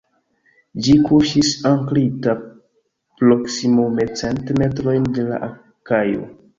Ĝi kuŝis ankrita proksimume cent metrojn de la kajo.